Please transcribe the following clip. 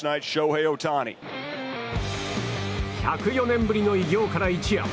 １０４年ぶりの偉業から一夜。